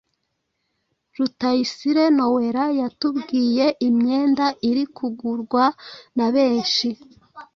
Rutayisire Noella yatubwiye imyenda iri kugurwa na benshi